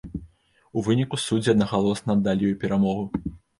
У выніку суддзі аднагалосна аддалі ёй перамогу.